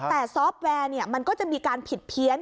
แต่ซอฟต์แวร์มันก็จะมีการผิดเพี้ยน